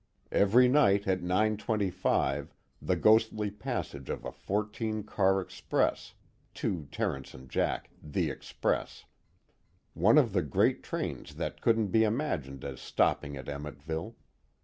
Every night at 9:25, the ghostly passage of a fourteen car express (to Terence and Jack, The Express) one of the great trains that couldn't be imagined as stopping at Emmetville.